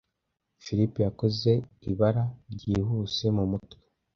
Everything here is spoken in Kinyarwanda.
Philip yakoze ibara ryihuse mumutwe.